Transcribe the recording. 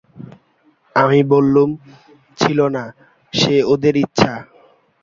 আমি বললুম, ছিল না, সে ওদের ইচ্ছা।